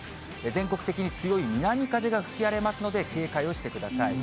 全国的に強い南風が吹き荒れますので、警戒をしてください。